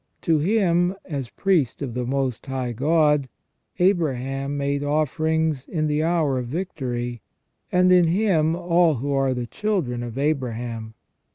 To him, as priest of the most High God, Abraham made offerings in the hour of victory, and in him all who are the children of Abraham.